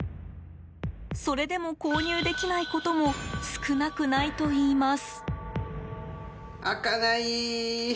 それでも購入できないことも少なくないといいます。